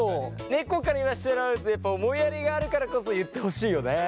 猫から言わせてもらうとやっぱ思いやりがあるからこそ言ってほしいよね。